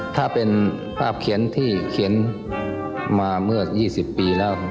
ถ้าเป็นภาพเขียนที่เขียนมาเมื่อ๒๐ปีแล้ว